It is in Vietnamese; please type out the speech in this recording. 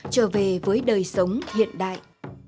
trở về với đời sống hiện đại